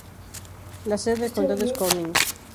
La sede del condado es Corning.